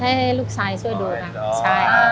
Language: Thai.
ให้ลูกชายช่วยดูนะ